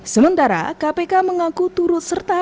sementara kpk mengaku turut serta